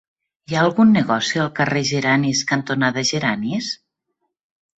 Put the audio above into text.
Hi ha algun negoci al carrer Geranis cantonada Geranis?